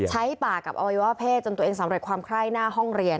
ใช้ปากกับอวัยวะเพศจนตัวเองสำเร็จความไคร้หน้าห้องเรียน